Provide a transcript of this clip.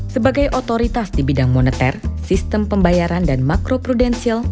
sebagai otoritas di bidang moneter sistem pembayaran dan makro prudensial